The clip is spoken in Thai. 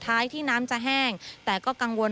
ท้ายที่น้ำจะแห้งแต่ก็กังวล